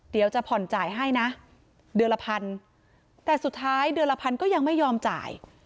เดี๋ยวจะผ่อนจ่ายให้นะเดือนละพันแต่สุดท้ายเดือนละพันก็ยังไม่ยอมจ่าย